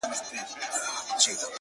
كله، ناكله غلتيږي څــوك غوصه راځـي،